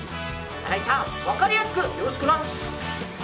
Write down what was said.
新井さん、分かりやすくよろしくな！